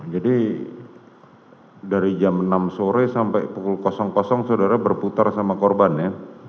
jadi dari jam enam sore sampai pukul saudara berputar sama korban ya